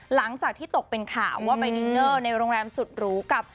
หลังจากที่ตกเป็นข่าวว่าไปดินเนอร์ในโรงแรมสุดหรูกับ